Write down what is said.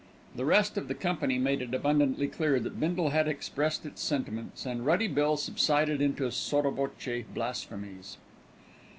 The rest of the company made it abundantly clear that Bindle had expressed its sentiments, and Ruddy Bill subsided into sotto voce blasphemies.